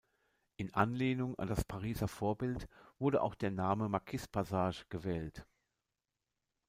In Anlehnung an das Pariser Vorbild wurde auch der Name Markiz-Passage gewählt.